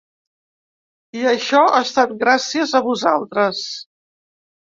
I això ha estat gràcies a vosaltres.